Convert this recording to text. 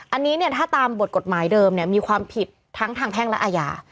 อันนี้เนี่ยถ้าตามบทกฎหมายเดิมมีความผิดทั้งทางแพ่งและอาญา